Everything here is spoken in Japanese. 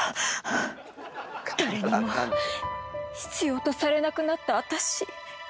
誰にも必要とされなくなった私。